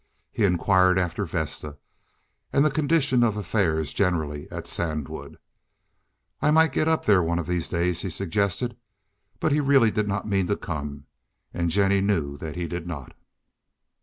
He inquired after Vesta and the condition of affairs generally at Sandwood. "I may get up there one of these days," he suggested, but he really did not mean to come, and Jennie knew that he did not.